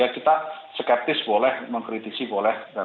kita skeptis boleh mengkritisi boleh